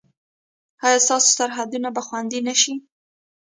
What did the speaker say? ایا ستاسو سرحدونه به خوندي نه شي؟